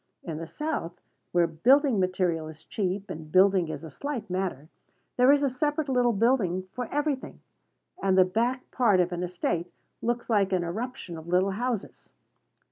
In the South, where building material is cheap, and building is a slight matter, there is a separate little building for every thing; and the back part of an estate looks like an eruption of little houses.